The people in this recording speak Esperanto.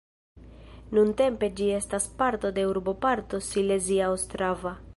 Nuntempe ĝi estas parto de urboparto Silezia Ostrava.